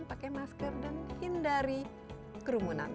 pakai masker dan hindari kerumunan